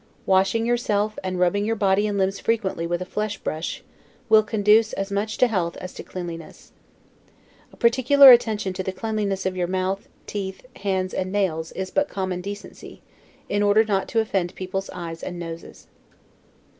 Washing yourself, and rubbing your body and limbs frequently with a fleshbrush, will conduce as much to health as to cleanliness. A particular attention to the cleanliness of your mouth, teeth, hands, and nails, is but common decency, in order not to offend people's eyes and noses.